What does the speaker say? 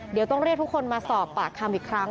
เดี๋ยวต้องเรียกทุกคนมาสอบปากคำอีกครั้ง